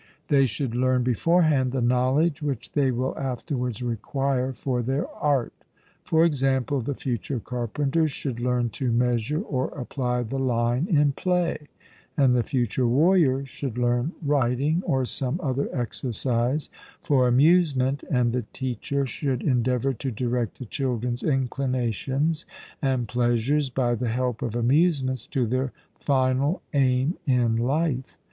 They should learn beforehand the knowledge which they will afterwards require for their art. For example, the future carpenter should learn to measure or apply the line in play; and the future warrior should learn riding, or some other exercise, for amusement, and the teacher should endeavour to direct the children's inclinations and pleasures, by the help of amusements, to their final aim in life.